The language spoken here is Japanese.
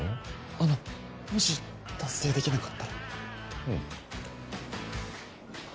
あのもし達成できなかったらうん